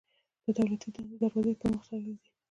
د دولتي دندو دروازې یې پر مخ تړلي دي.